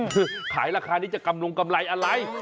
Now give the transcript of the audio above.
คือขายราคานี้จะกำลงกำไรอะไร